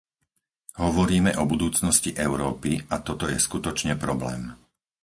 Hovoríme o budúcnosti Európy a toto je skutočne problém.